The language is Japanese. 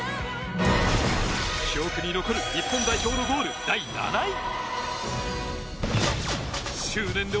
記憶に残る日本代表のゴール第７位。